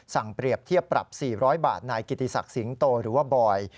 เปรียบเทียบปรับ๔๐๐บาทนายกิติศักดิ์สิงโตหรือว่าบอย